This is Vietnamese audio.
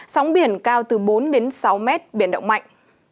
sóng biển cao từ bốn đến sáu mét biển động mạnh